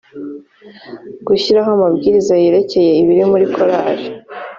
gushyiraho amabwiriza yerekeye ibiri muri korari